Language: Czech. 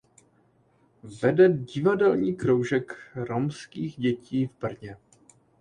Vede divadelní kroužek romských dětí v Brně.